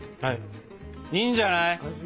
いいんじゃない？